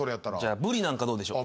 ブリなんかどうでしょう？